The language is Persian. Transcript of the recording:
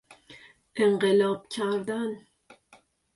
انقلاب کردن